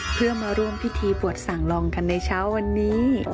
เพื่อมาร่วมพิธีปวดสั่งลองกันในเช้าวันนี้